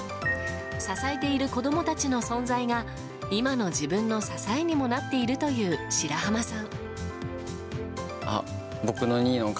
支えている子供たちの存在が今の自分の支えにもなっているという白濱さん。